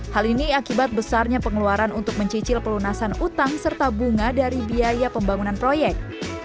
hal ini akibat besarnya pengeluaran untuk mencicil pelunasan utang serta bunga dari biaya pembangunan proyek